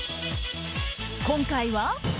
今回は。